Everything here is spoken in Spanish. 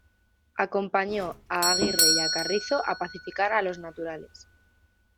Acompañó a Aguirre y a Carrizo a pacificar a los naturales.